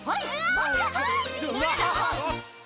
まちなさい！